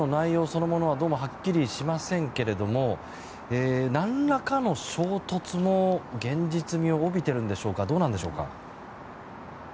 そのものはどうもはっきりしませんけども何らかの衝突も現実味を帯びているんでしょうかどうなんでしょうか。